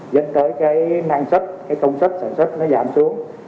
dẫn tới năng sức công sức sản xuất giảm xuống